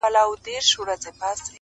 لا هغه سوټک ته څڼي غور ځومه!